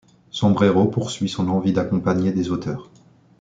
Sombrero poursuit son envie d’accompagner des auteurs.